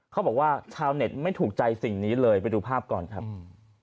เขาบอกว่าชาวเน็ตไม่ถูกใจสิ่งนี้เลยไปดูภาพก่อนครับ